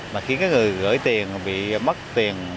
mà khiến cái người gửi tiền bị mất tiền